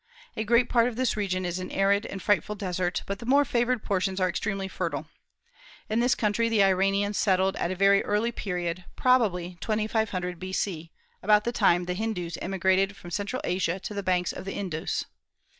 A great part of this region is an arid and frightful desert; but the more favored portions are extremely fertile. In this country the Iranians settled at a very early period, probably 2500 B.C., about the time the Hindus emigrated from Central Asia to the banks of the Indus.